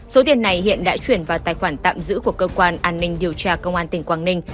số tiền này hiện đã chuyển vào tài khoản tạm giữ của cơ quan an ninh điều tra công an tỉnh quảng ninh